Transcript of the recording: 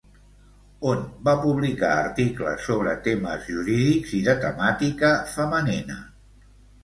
On va publicar articles sobre temes jurídics i de temàtica femenina?